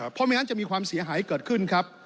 เพราะไม่งั้นจะมีความเสียหายเกิดขึ้นครับ